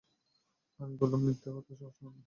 আমি বললুম, মিথ্যে কথা অত সহজ নয়।